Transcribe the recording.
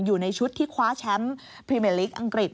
อยู่ในชุดที่คว้าแชมป์พรีเมอร์ลีกอังกฤษ